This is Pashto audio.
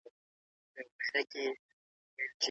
هنرمندان د ژبې خدمت کوي.